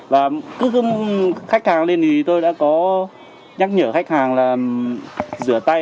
và cứ khách hàng lên thì tôi đã có nhắc nhở khách hàng là rửa tay